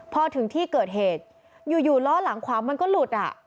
พอถึงที่เกิดเหตุอยู่ล้อหลังขวามันก็หลุดอ่ะ